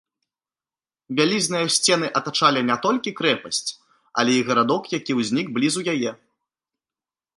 Вялізныя сцены атачалі не толькі крэпасць, але і гарадок, які ўзнік блізу яе.